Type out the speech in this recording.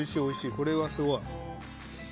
これはすごい。